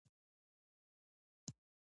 انسان د هغه ښه ملګري در ته راغلی